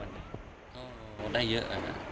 ก็ได้เยอะนะครับ